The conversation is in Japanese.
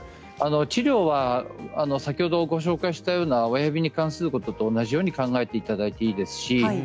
治療は先ほどご紹介した親指に関することと同じようなものと考えていただいていいです。